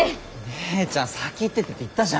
姉ちゃん先行っててって言ったじゃん。